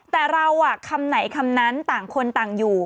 แต่เราคำไหนคำนั้นต่างคนต่างอยู่